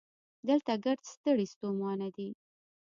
دلته ګړد ستړي ستومانه دي